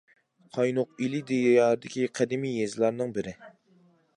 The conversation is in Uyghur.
قاينۇق ئىلى دىيارىدىكى قەدىمى يېزىلارنىڭ بىرى.